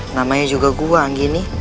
namanya juga gua anggini